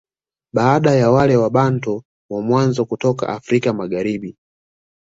Baada ya wale Wabantu wa mwanzo kutoka Afrika Magharibi